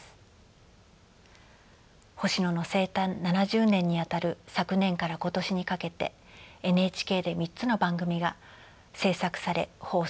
星野の生誕７０年にあたる昨年から今年にかけてＮＨＫで３つの番組が制作され放送されました。